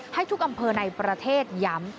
ให้ทุกอำเภอในประเทศย้ำ